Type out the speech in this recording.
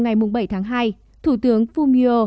ngày bảy tháng hai thủ tướng fumio